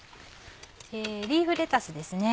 リーフレタスですね。